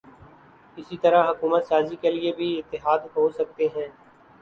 اسی طرح حکومت سازی کے لیے بھی اتحاد ہو سکتے ہیں۔